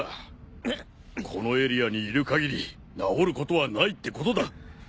このエリアにいる限り治ることはないってことだ